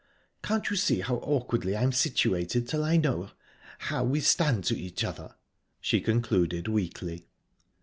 Can't you see how awkwardly I am situated till I know how...we stand to each other?" she concluded weakly.